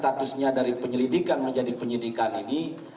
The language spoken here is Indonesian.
statusnya dari penyelidikan menjadi penyidikan ini